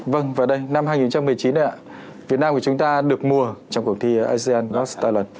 vâng và đây năm hai nghìn một mươi chín này ạ việt nam của chúng ta được mua trong cuộc thi asian ghost talent